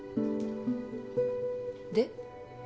で？